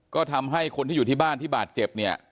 ก็ทำให้คนที่อยู่ที่บ้านที่บาดเจ็บเนี่ย